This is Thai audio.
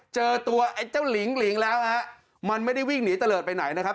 เจอตัวไอ้เจ้าหลิงหลิงแล้วฮะมันไม่ได้วิ่งหนีเตลิศไปไหนนะครับ